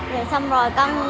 rồi xong rồi con